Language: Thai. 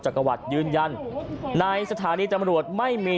ประวัติยืนยันในสถานีตำรวจไม่มี